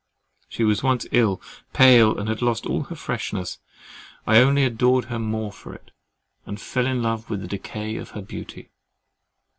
She was once ill, pale, and had lost all her freshness. I only adored her the more for it, and fell in love with the decay of her beauty.